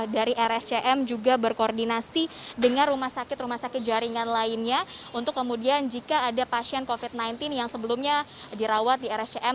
dari rscm juga berkoordinasi dengan rumah sakit rumah sakit jaringan lainnya untuk kemudian jika ada pasien covid sembilan belas yang sebelumnya dirawat di rscm